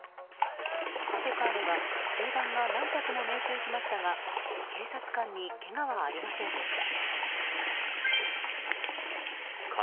パトカーには銃弾が何発も命中しましたが警察官にけがはありませんでした。